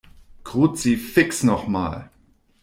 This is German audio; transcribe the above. Kruzifix noch mal!